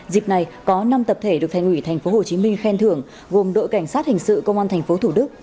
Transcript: dịp này có năm tập thể được thành ủy tp hcm khen thưởng gồm đội cảnh sát hình sự công an tp thủ đức